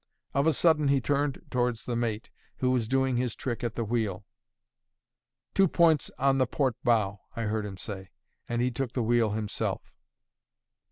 Of a sudden, he turned towards the mate, who was doing his trick at the wheel. "Two points on the port bow," I heard him say. And he took the wheel himself.